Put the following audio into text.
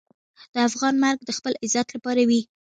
د افغان مرګ د خپل عزت لپاره وي.